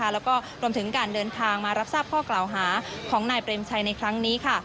แล้วก็รวมถึงการเดินทางมารับทราบข้อกล่าวหาของนายเปรมชัยในครั้งนี้